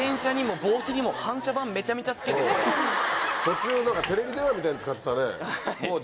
途中何かテレビ電話みたいに使ってたね。